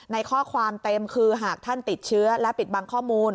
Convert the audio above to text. ในข้อความเต็มคือหากท่านติดเชื้อและปิดบังข้อมูล